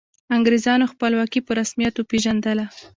انګریزانو خپلواکي په رسمیت وپيژندله.